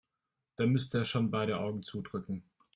Da müsste er schon beide Augen zudrücken.